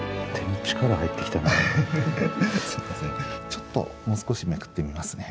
ちょっともう少しめくってみますね。